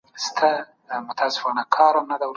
جنایتکاران باید له ټولني لرې وساتل سي.